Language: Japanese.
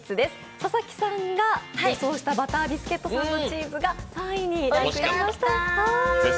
佐々木さんが予想したバタービスケットサンドが３位でした。